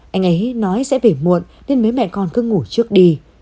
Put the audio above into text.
anh ấy nói sẽ về muộn nên mấy mẹ con cứ ngủ trước đi